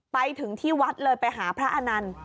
ไปถึงที่วัดเลยไปหาพระอนันต์